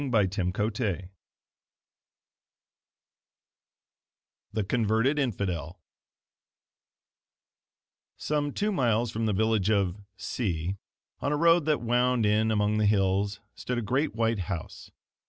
Parish Register THE CONVERTED INFIDEL Some two miles from the village of C. on a road that wound in among the hills stood a great white house.